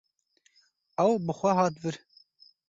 Ew bi xwe hat vir.